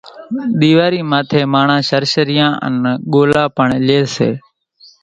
ۮيواري ماٿي ماڻۿان شرشريان انين ڳولا پڻ لئي سي،